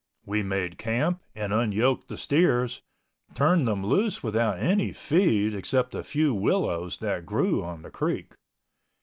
We made camp and unyoked the steers, turned them loose without any feed except a few willows that grew on the creek.